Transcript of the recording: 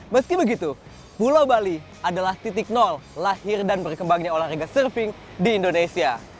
meski begitu pulau bali adalah titik nol lahir dan berkembangnya olahraga surfing di indonesia